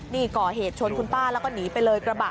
นี่ก่อเหตุชนคุณป้าแล้วก็หนีไปเลยกระบะ